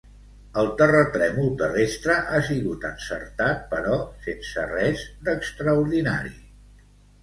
El terratrèmol terrestre ha sigut encertat, però sense ser res d’extraordinari.